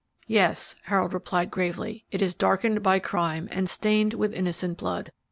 "Yes," Harold replied, gravely, "it is darkened by crime and stained with innocent blood.